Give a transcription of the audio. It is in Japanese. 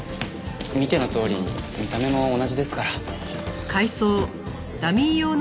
見てのとおり見た目も同じですから。